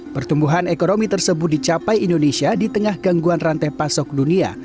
pertumbuhan ekonomi tersebut dicapai indonesia di tengah gangguan rantai pasok dunia